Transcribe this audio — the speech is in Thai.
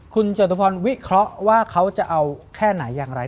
คุณจตุพรวิเคราะห์ว่าเขาจะเอาแค่ไหนอย่างไร